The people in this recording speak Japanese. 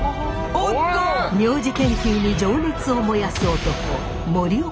名字研究に情熱を燃やす男